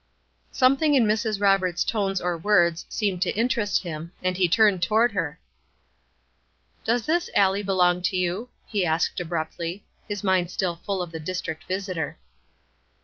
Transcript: Something in Mrs. Roberts' tones or words seemed to interest him, and he turned toward her. "Does this alley belong to you?" he asked, abruptly, his mind still full of the district visitor.